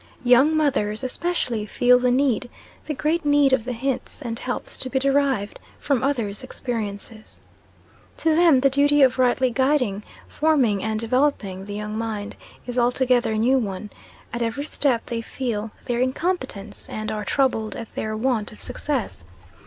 Young mothers, especially, feel the need, the great need of the hints and helps to be derived from others' experience. To them, the duty of rightly guiding, forming and developing the young mind is altogether a new one; at every step they feel their incompetence, and are troubled at their want of success.